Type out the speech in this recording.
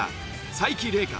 才木玲佳